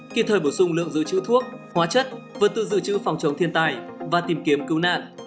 khi thời bổ sung lượng giữ chữ thuốc hóa chất vật tư giữ chữ phòng chống thiên tai và tìm kiếm cứu nạn